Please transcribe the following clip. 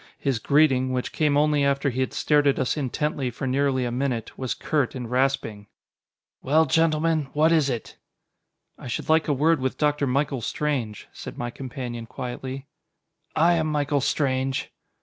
His greeting, which came only after he had stared at us intently, for nearly a minute, was curt and rasping. "Well, gentlemen? What is it?" "I should like a word with Dr. Michael Strange," said my companion quietly. "I am Michael Strange."